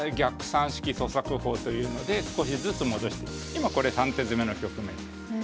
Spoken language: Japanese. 今これ３手詰の局面です。